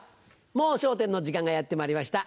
『もう笑点』の時間がやってまいりました。